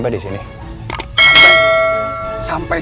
di sana suaranya